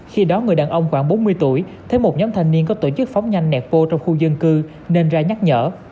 khi đó người đàn ông khoảng bốn mươi tuổi thấy một nhóm thanh niên có tổ chức phóng nhanh nẹt pô trong khu dân cư nên ra nhắc nhở